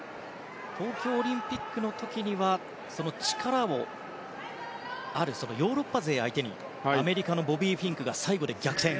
東京オリンピックの時には力のあるヨーロッパ勢を相手にアメリカのボビー・フィンクが最後に逆転。